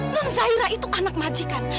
non zahira itu anak majikan